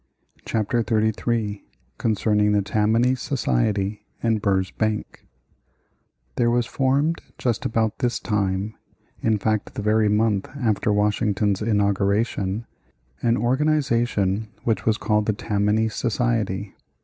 CHAPTER XXXIII CONCERNING the TAMMANY SOCIETY and BURR'S BANK There was formed just about this time, in fact the very month after Washington's inauguration, an organization which was called the Tammany Society.